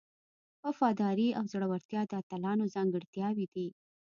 وفاداري او زړورتیا د اتلانو ځانګړتیاوې دي.